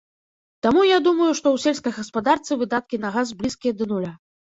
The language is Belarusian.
Таму, я думаю, што ў сельскай гаспадарцы выдаткі на газ блізкія да нуля.